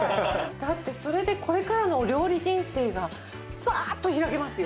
だってそれでこれからのお料理人生がバーッと開けますよ。